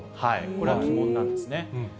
これが鬼門なんですね。